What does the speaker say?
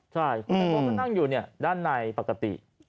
ใช่คนก็คงคงนั่งอยู่ด้านในปกติ